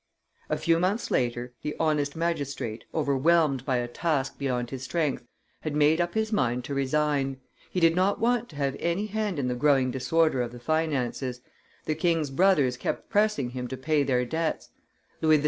A few months later, the honest magistrate, overwhelmed by a task beyond his strength, had made up his mind to resign; he did not want to have any hand in the growing disorder of the finances; the king's brothers kept pressing him to pay their debts; Louis XVI.